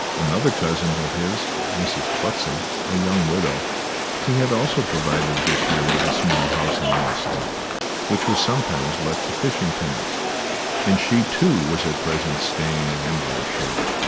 Another cousin of his, Mrs. Clutsam, a young widow, he had also provided this year with a small house on the estate which was sometimes let to fishing tenants, and she, too, was at present staying at Inverashiel.